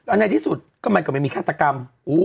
แล้วในที่สุดก็มันก็ไม่มีฆาตกรรม